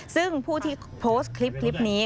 ซึ่งผู้ที่โพสต์คลิปนี้